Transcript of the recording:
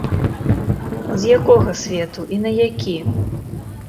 З якога свету і на які?